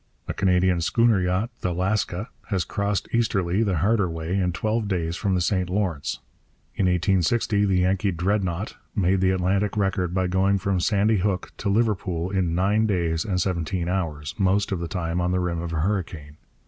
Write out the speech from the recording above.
A Canadian schooner yacht, the Lasca, has crossed easterly, the harder way, in twelve days from the St Lawrence. In 1860 the Yankee Dreadnought made the Atlantic record by going from Sandy Hook to Liverpool in nine days and seventeen hours, most of the time on the rim of a hurricane.